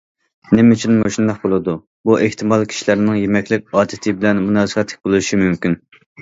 نېمە ئۈچۈن مۇشۇنداق بولىدۇ؟ بۇ ئېھتىمال كىشىلەرنىڭ يېمەكلىك ئادىتى بىلەن مۇناسىۋەتلىك بولۇشى مۇمكىن.